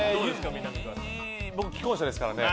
僕、既婚者ですからね。